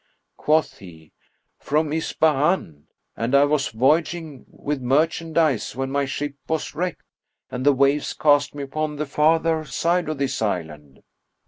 Quoth he, "From Ispahan and I was voyaging with merchandise when my ship was wrecked and the waves cast me upon the farther side of this island."